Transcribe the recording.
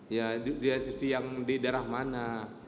ya di daerah mana